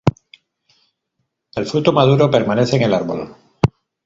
El fruto maduro permanece en el árbol.